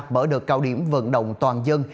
mở được cao điểm vận động toàn dân